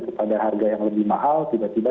kepada harga yang lebih mahal tiba tiba